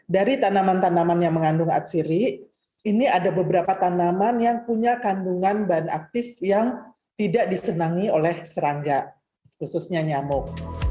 dari tanaman tanaman yang mengandung atsiri ini ada beberapa tanaman yang punya kandungan bahan aktif yang tidak disenangi oleh serangga khususnya nyamuk